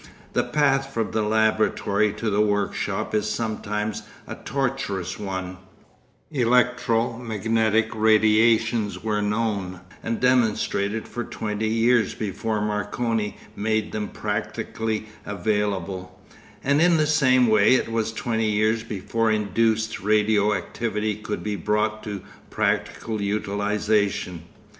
The path from the laboratory to the workshop is sometimes a tortuous one; electro magnetic radiations were known and demonstrated for twenty years before Marconi made them practically available, and in the same way it was twenty years before induced radio activity could be brought to practical utilisation.